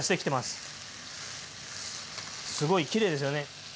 すごいきれいですよね。